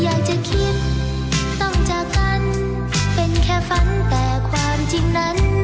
อยากจะคิดต้องจากกันเป็นแค่ฝันแต่ความจริงนั้น